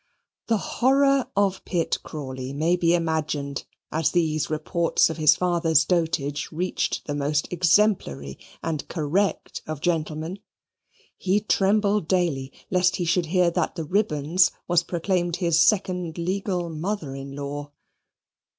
The horror of Pitt Crawley may be imagined, as these reports of his father's dotage reached the most exemplary and correct of gentlemen. He trembled daily lest he should hear that the Ribbons was proclaimed his second legal mother in law.